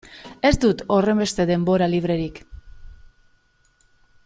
Ez dut horrenbeste denbora librerik.